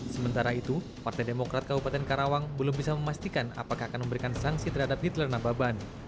sementara itu partai demokrat kabupaten karawang belum bisa memastikan apakah akan memberikan sanksi terhadap nitler nababan